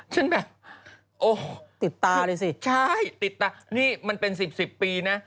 แบบโอ้ติดตาเลยสิใช่ติดตานี่มันเป็นสิบสิบปีนะ